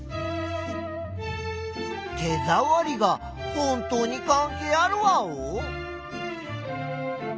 手ざわりが本当にかんけいあるワオ？